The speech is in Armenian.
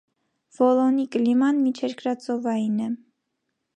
Վոլոնի կլիման միջերկրածովային է։